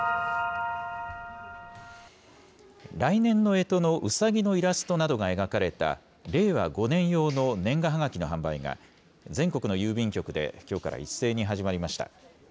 来年のえとのうさぎのイラストなどが描かれた令和５年用の年賀はがきの販売が、全国の郵便局できょうから一斉に始まりました。